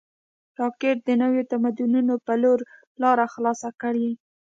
راکټ د نویو تمدنونو په لور لاره خلاصه کړې